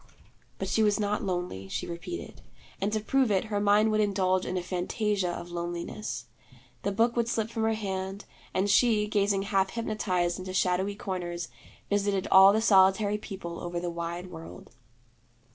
But she was not lonely, she repeated; and to prove it, her mind would indulge in a fantasia of loneliness. The book would slip from her hand, and she, gazing half hypnotized into shadowy corners, visited all the solitary people over the wide world.